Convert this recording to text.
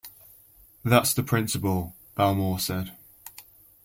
That's the principle, Ballmer said.